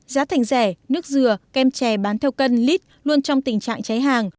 giá thành rẻ nước dừa kem chè bán theo cân lít luôn trong tình trạng cháy hàng